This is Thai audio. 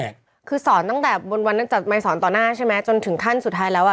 ก็คือสอนตั้งแต่วันมายสอนต่อหน้าใช่มะจนถึงขั้นสุดท้ายแล้ว